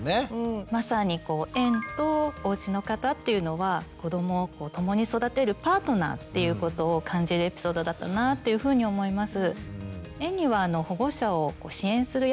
まさに園とおうちの方っていうのは子どもを共に育てるパートナーっていうことを感じるエピソードだったなというふうに思います。